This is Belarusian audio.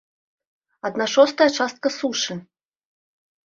Адна шостая частка сушы!